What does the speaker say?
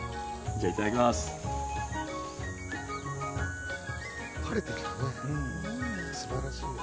じゃあ、いただきます。